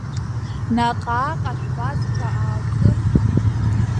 Наҟ-ааҟ ашәвазқәа аалкын.